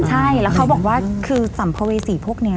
ใช่แล้วเขาบอกว่าคือสัมภเวษีพวกนี้